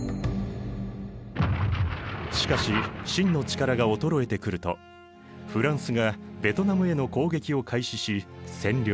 しかし清の力が衰えてくるとフランスがベトナムへの攻撃を開始し占領。